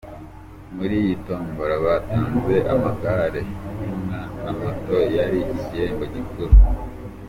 Muri iyi tombola batanze amagare, inka na moto yari igihembo gikuru.